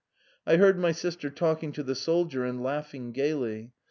I heard my sister talking to the soldier and laughing merrily.